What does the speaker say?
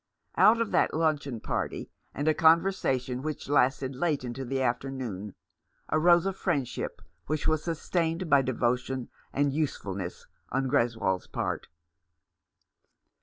Out of that luncheon party, and a conversation which lasted late into the afternoon, arose a friendship which was sustained by devotion and usefulness on Greswold's part.